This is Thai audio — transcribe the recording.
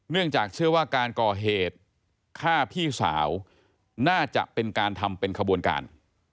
จากเชื่อว่าการก่อเหตุฆ่าพี่สาวน่าจะเป็นการทำเป็นขบวนการ